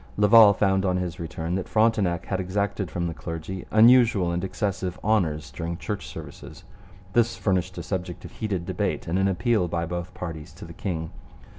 Laval found on his return that Frontenac had exacted from the clergy unusual and excessive honours during church services. This furnished a subject of heated debate and an appeal by both parties to the king.